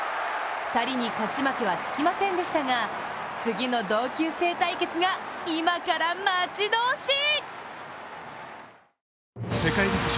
２人に勝ち負けはつきませんでしたが次の同級生対決が今から待ち遠しい。